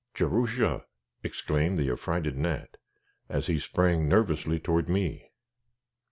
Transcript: "Jerusha!" exclaimed the affrighted Nat, as he sprang nervously toward me.